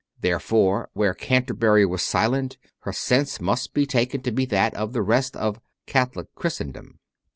Therefore, where Canterbury was silent, her sense must be taken to be that of the rest of "Catholic Christendom."